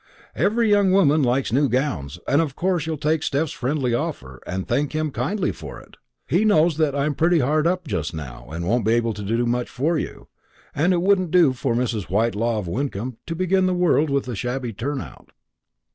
"Every young woman likes new gowns, and of course you'll take Steph's friendly offer, and thank him kindly for it. He knows that I'm pretty hard up just now, and won't be able to do much for you; and it wouldn't do for Mrs. Whitelaw of Wyncomb to begin the world with a shabby turn out."